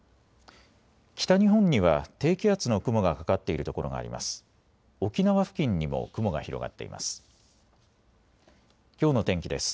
北日本には低気圧の雲がかかっている所があります。